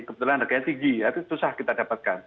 kebetulan harganya tinggi itu susah kita dapatkan